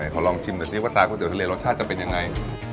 ขอลองชิมดูสิว่าชากุ้ยเตี๋ยวทะเลรสชาติจะเป็นยังไง